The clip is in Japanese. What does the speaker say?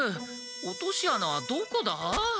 落とし穴はどこだ？